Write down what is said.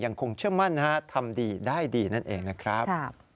คงเชื่อมั่นทำดีได้ดีนั่นเองนะครับ